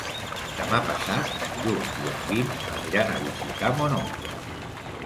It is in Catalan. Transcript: Demà passat en Lluc i en Guim aniran a visitar mon oncle.